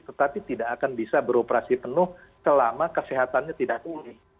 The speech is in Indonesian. tetapi tidak akan bisa beroperasi penuh selama kesehatannya tidak tinggi